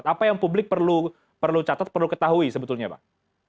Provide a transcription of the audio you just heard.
apa yang publik perlu catat perlu ketahui sebetulnya bang